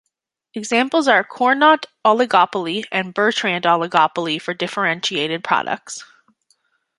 Examples are "Cournot oligopoly", and "Bertrand oligopoly for differentiated products".